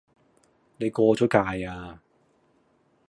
你過左界呀